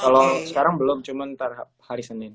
kalau sekarang belum cuma ntar hari senin